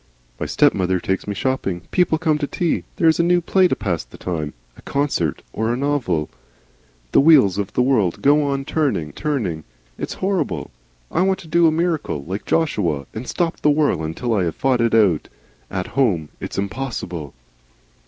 My stepmother takes me shopping, people come to tea, there is a new play to pass the time, or a concert, or a novel. The wheels of the world go on turning, turning. It is horrible. I want to do a miracle like Joshua and stop the whirl until I have fought it out. At home It's impossible."